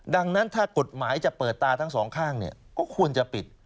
ดังนั้นถ้ากฎหมายจะเปิดตาทั้งสองข้างก็ควรจะปิด